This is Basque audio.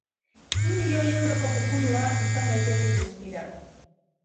Bi milioi euroko kopurua izan daiteke guztira.